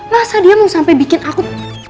masa dia mau sampai bikin aku